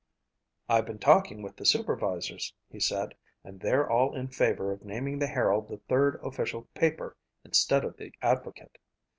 "I've been talking with the supervisors," he said, "and they're all in favor of naming the Herald the third official paper instead of the Advocate.